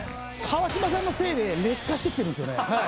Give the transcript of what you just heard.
川島さんのせいで劣化してきてるんすよね。